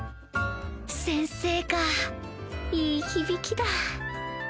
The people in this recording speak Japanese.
「先生」かいい響きだ